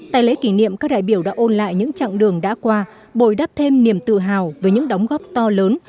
tại lễ kỷ niệm các đại biểu đã ôn lại những chặng đường đã qua bồi đắp thêm niềm tự hào với những đóng góp to lớn